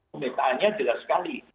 pemetaannya jelas sekali